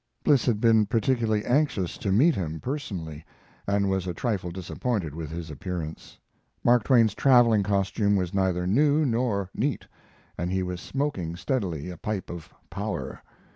Bliss had been particularly anxious to meet him, personally and was a trifle disappointed with his appearance. Mark Twain's traveling costume was neither new nor neat, and he was smoking steadily a pipe of power.